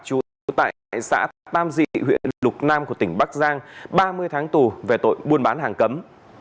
chú tại xã tam dị huyện lục nam của tỉnh bắc giang ba mươi tháng tù về tội buôn bán hàng cấm